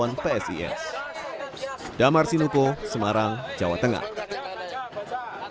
dan juga berdatangan kepolisian yang terdekat kemarin ini